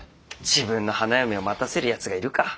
自分の花嫁を待たせるやつがいるか。